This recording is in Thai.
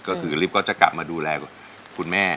ก็คือลิฟต์ก็จะกลับมาดูแลคุณแม่